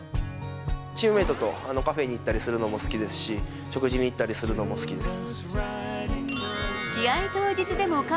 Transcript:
チームメートとカフェに行ったりするのも好きですし、食事に行ったりするのも好きです。